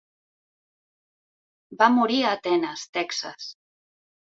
Va morir a Atenes, Texas.